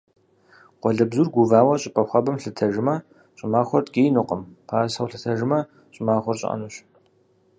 Къуалэбзур гувауэ щӏыпӏэ хуабэм лъэтэжмэ, щӏымахуэр ткӏиинукъым, пасэу лъэтэжмэ, щӏымахуэр щӏыӏэнущ.